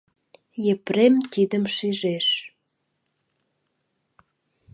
Епрем тидым шижеш.